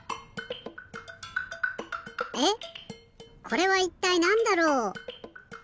えっこれはいったいなんだろう？